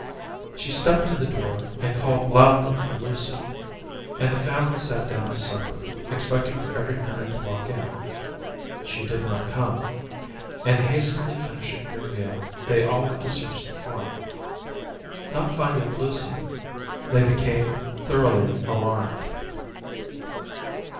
She stepped to the door and called loudly for Lucy; and the family sat down to supper, expecting her every minute to walk in. She did not come; and hastily finishing their meal, they all went to search the farm. Not finding Lucy, they became thoroughly alarmed.